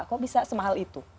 kok bisa semahal itu